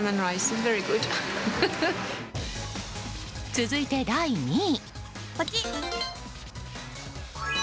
続いて、第２位。